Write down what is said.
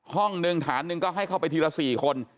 ห้องนึงฐานหนึ่งก็ให้เข้าไปทีละ๔คน